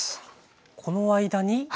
この間に。